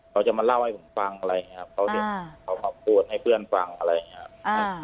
เขาจะมาเล่าให้ผมฟังอะไรอย่างเงี้ยครับเขาเขาพูดให้เพื่อนฟังอะไรอย่างเงี้ยครับ